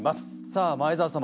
さあ前澤様